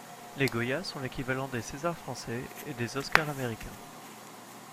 Les Goyas sont l'équivalent des César français et des Oscars américains.